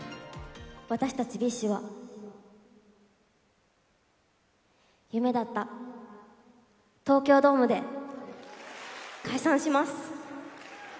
私たちＢｉＳＨは夢だった東京ドームで解散します。